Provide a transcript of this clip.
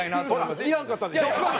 ほらいらんかったでしょ？